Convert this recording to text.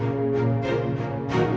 terlihat lebih jelas